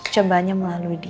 cobaannya melalui dia